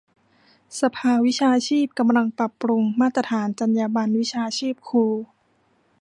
สภาวิชาชีพกำลังปรับปรุงมาตรฐานจรรยาบรรณวิชาชีพครู